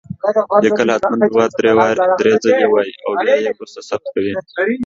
ليکل هتمن دوه دري ځلي وايي او بيا يي وروسته ثبت کوئ